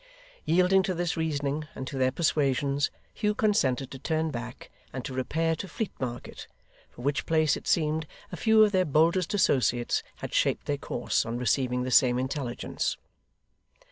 Yielding to this reasoning, and to their persuasions, Hugh consented to turn back and to repair to Fleet Market; for which place, it seemed, a few of their boldest associates had shaped their course, on receiving the same intelligence.